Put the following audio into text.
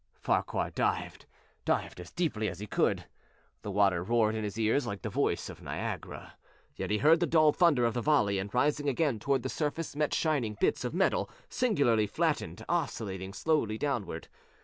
Farquhar dived dived as deeply as he could. The water roared in his ears like the voice of Niagara, yet he heard the dulled thunder of the volley and, rising again toward the surface, met shining bits of metal, singularly flattened, oscillating slowly downward.